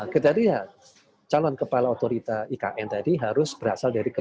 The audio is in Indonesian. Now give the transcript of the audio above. kriteria calon kepala otorita ikn tadi harus berasal dari kpk